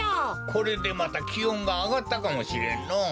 これでまたきおんがあがったかもしれんのう。